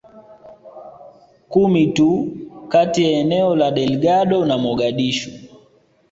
kumi tu kati ya eneo la Delgado na Mogadishu